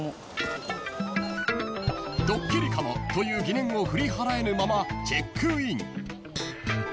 ［ドッキリかも？という疑念を振り払えぬままチェックイン］